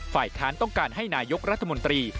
ฝ่ายค้านต้องการให้นายกรัฐมนตรี